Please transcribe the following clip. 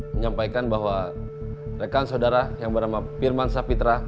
menyampaikan bahwa rekan saudara yang bernama firman sapitra